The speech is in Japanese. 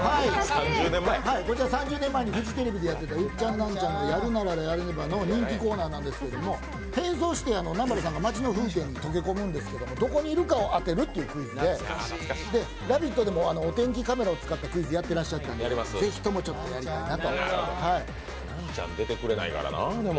こちら、３０年前のフジテレビでやっていた「やるならやらねば！」の人気コーナーなんですけれども、変装して南原さんが町の風景に溶け込むんですけどどこにいるかを当てるというクイズで、「ラヴィット！」でもお天気カメラを使ったクイズをやってらしたのでナンチャン出てくれないからな。